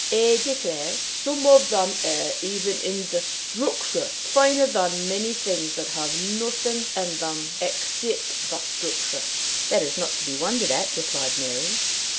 "I declare, some of them are even in their structure finer than many things that have nothing in them to admire except the structure." "That is not to be wondered at," replied Mary.